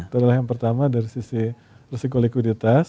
itu adalah yang pertama dari sisi resiko likuiditas